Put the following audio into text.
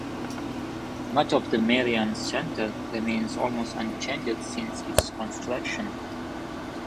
Much of The Merrion Centre remains almost unchanged since its construction.